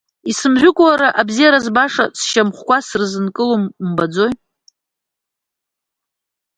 Исымжәыкәа, уара абзиара збаша, сшьамхкәа сырзаанкылом умбаӡои.